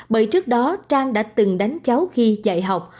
bởi trước đó trang đã từng đánh cháu khi dạy học